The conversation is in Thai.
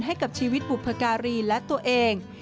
ให้กับชีวิตบุพการีและตัวเอง